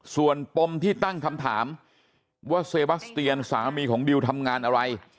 ส่วนปมที่ตั้งคำถามว่าเซบัสเตียนสามีของดิวทำงานอะไร